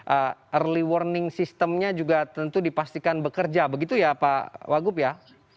early warning systemnya juga tentu dipastikan bekerja begitu ya pak wagub ya